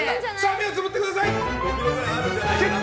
目をつむってください！